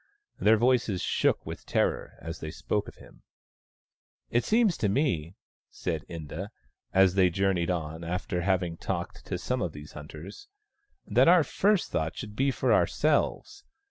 Their voices shook with terror as they spoke of him. " It seems to me," said Inda, as they journeyed on, after having talked to some of these hunters, "that our first thought should be for ourselves.